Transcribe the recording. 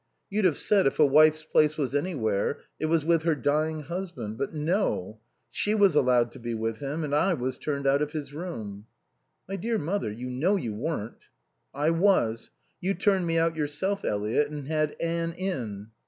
You'd have said if a wife's place was anywhere it was with her dying husband. But no. She was allowed to be with him and I was turned out of his room." "My dear Mother, you know you weren't." "I was. You turned me out yourself, Eliot, and had Anne in."